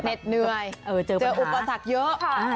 เหน็จเหนื่อยเจอวันอาจจะอุปสรรคเยอะ